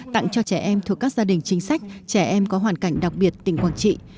tặng cho trẻ em thuộc các gia đình chính sách trẻ em có hoàn cảnh đặc biệt tỉnh quảng trị